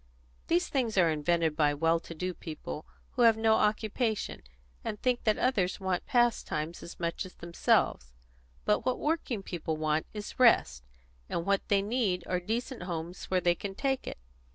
These things are invented by well to do people who have no occupation, and think that others want pastimes as much as themselves. But what working people want is rest, and what they need are decent homes where they can take it.